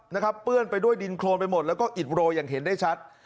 เปื้อนไปด้วยดินโครนไปหมดแล้วก็อิดโรยอย่างเห็นได้ชัด